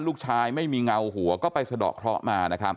ลูกชายไม่มีเงาหัวก็ไปสะดอกเคราะห์มา